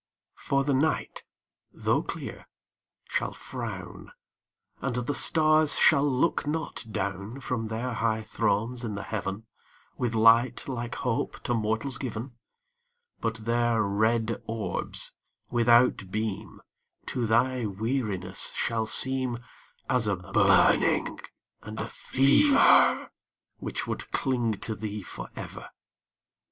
The night tho' clear shall frown And the stars shall not look down From their high thrones in the Heaven, With light like Hope to mortals given But their red orbs, without beam, To thy weariness shall seem As a burning and a fever Which would cling to thee forever.